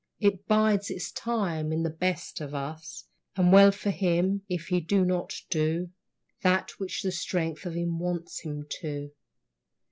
It bides its time in the best of us, And well for him if he do not do That which the strength of him wants him to.